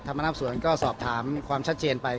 พนักสวนก็สอบถามความชัดเจนไป